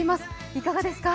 いかがですか？